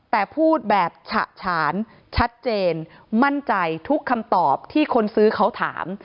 แต่พูดแบบฉะฉานชัดเจนมั่นใจทุกคำตอบที่คนซื้อเขาถาม